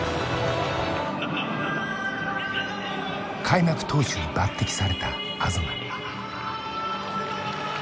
開幕投手に抜てきされた東。